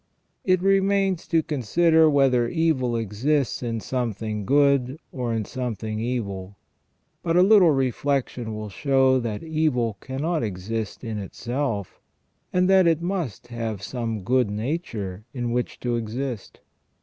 It remains to consider whether evil exists in something good or in something evil. But a little reflection will show that evil cannot exist in itself, and that it must have some good nature in which to exist.